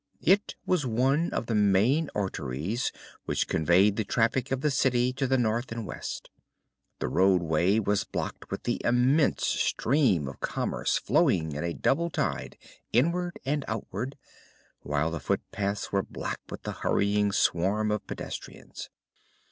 It was one of the main arteries which conveyed the traffic of the City to the north and west. The roadway was blocked with the immense stream of commerce flowing in a double tide inward and outward, while the footpaths were black with the hurrying swarm of pedestrians.